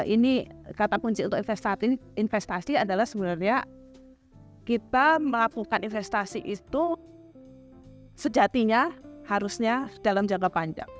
ini kata kunci untuk investasi adalah sebenarnya kita melakukan investasi itu sejatinya harusnya dalam jangka panjang